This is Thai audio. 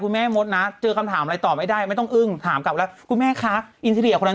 ก็เลยแนะนำให้เลยว่าถ้าเกิดใครไปรายการคุณแม่มดนะ